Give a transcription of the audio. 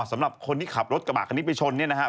สำหรับคนที่ขับรถกระบะคันนี้ไปชนเนี่ยนะครับ